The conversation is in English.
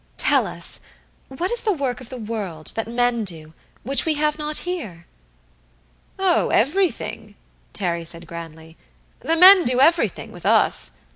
Tell us what is the work of the world, that men do which we have not here?" "Oh, everything," Terry said grandly. "The men do everything, with us."